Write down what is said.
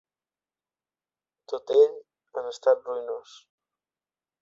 Tot ell en estat ruïnós.